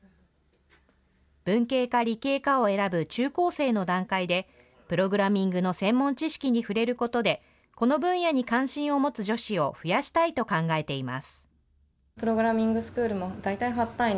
文系か理系かを選ぶ中高生の段階で、プログラミングの専門知識に触れることで、この分野に関心を持つ女子を増やしたいと考えています。